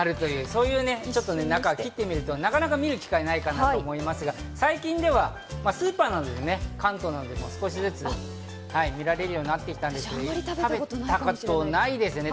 中切ってみると、なかなか見る機会がないと思いますが、最近ではスーパーなどで関東でも少しずつ見られるようになってきたんですけど、食べたことないですよね。